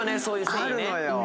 そういう繊維ね。